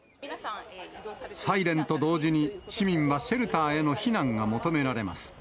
サイレンと同時に、市民はシェルターへの避難が求められます。